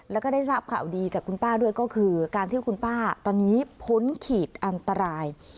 แล้วก็ได้ทราบข่าวดีจากคุณป้าด้วยก็คือการที่คุณป้าตอนนี้พ้นขีดอันตราย